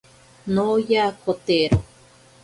Noyakotero.